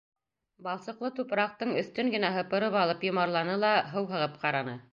Балсыҡлы тупраҡтың өҫтөн генә һыпырып алып йомарланы ла һыу һығып ҡараны.